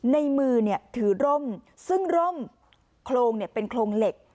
ในมือถือร่มซึ่งร่มโครงเป็นโครงเหล็ก